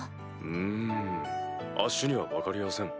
うんあっしには分かりやせん。